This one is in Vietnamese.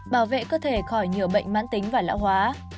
bảo vệ cơ thể khỏi nhiều bệnh mãn tính và lão hóa